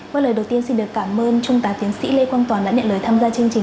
một lời đầu tiên xin được cảm ơn trung tá tiến sĩ lê quang toàn đã nhận lời tham gia chương trình